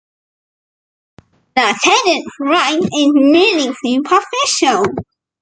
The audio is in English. The tenant's right is merely superficial.